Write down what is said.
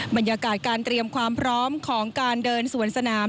บรรยากาศการเตรียมความพร้อมของการเดินสวนสนาม